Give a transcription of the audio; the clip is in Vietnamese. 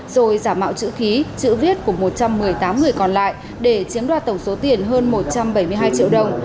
rồi giả mạo chữ khí chữ viết của một trăm một mươi tám người còn lại để chiếm đoạt tổng số tiền hơn một trăm bảy mươi hai triệu đồng